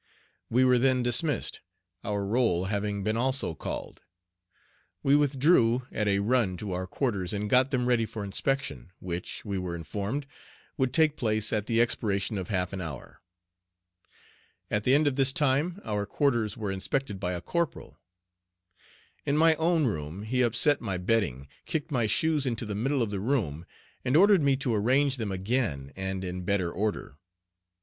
We were then dismissed, our roll having been also called. We withdrew at a run to our quarters and got them ready for inspection, which, we were informed, would take place at the expiration of half an hour. At the end of this time our quarters were inspected by a corporal. In my own room he upset my bedding, kicked my shoes into the middle of the room, and ordered me to arrange them again and in better order.